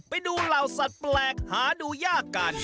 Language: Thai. ไปดูเหล่าสัตว์แปลกหาดูยากกัน